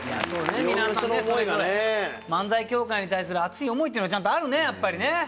それぞれ漫才協会に対する熱い思いっていうのがちゃんとあるねやっぱりね。